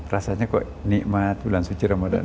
rasanya kok nikmat bulan suci ramadhan ini